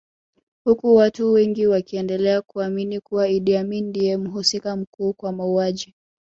Huku watu wengi wakiendelea kuamini kuwa Idi Amin ndiye mhusika mkuu kwa mauaji